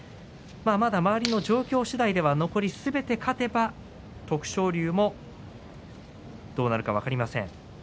残りの状況次第ではすべて勝てば徳勝龍もどうなるか分かりません。